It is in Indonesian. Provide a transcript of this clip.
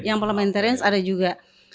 yang parlementarian ada juga